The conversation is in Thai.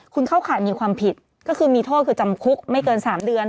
คุณเข้าข่ายมีความผิดก็คือมีโทษคือจำคุกไม่เกิน๓เดือน